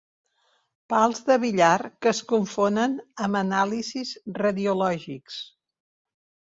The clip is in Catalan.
Pals de billar que es confonen amb anàlisis radiològics.